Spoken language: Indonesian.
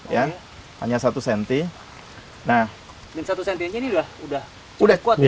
dan satu cm ini sudah kuat ya